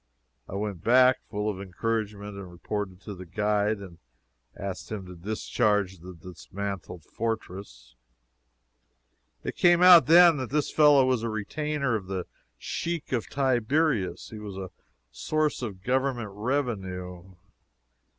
I went back, full of encouragement, and reported to the guide, and asked him to discharge this dismantled fortress. It came out, then. This fellow was a retainer of the Sheik of Tiberias. He was a source of Government revenue.